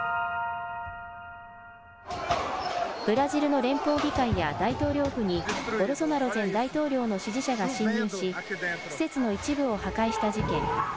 ブラジルの連邦議会や大統領府にボルソナロ前大統領の支持者が侵入し施設の一部を破壊した事件。